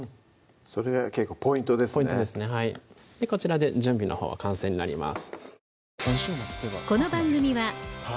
それが結構ポイントですねポイントですねはいこちらで準備のほうは完成になります